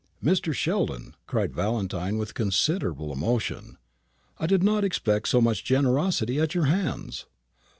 "Mr. Sheldon," cried Valentine, with considerable emotion, "I did not expect so much generosity at your hands!"